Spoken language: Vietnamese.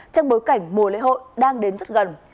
trong bối cảnh mùa lễ hội đang đến rất gần